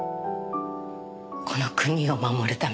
この国を守るため。